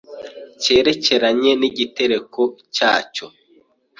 cyerekeranye nigitereko cyacyo.